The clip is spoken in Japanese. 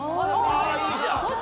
いいじゃん。